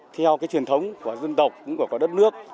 theo cái truyền thống của dân tộc cũng có đất nước